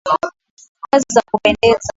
Kazi za kupendeza.